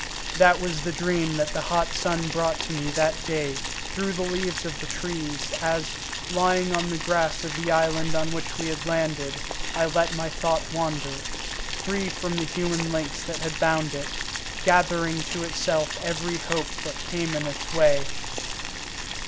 That was the dream that the hot sun brought to me that day through the leaves of the trees, as, lying on the grass of the island on which we had landed, I let my thought wander, free from the human links that had bound it, gathering to itself every hope that came in its way.